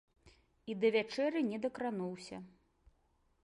І да вячэры не дакрануўся.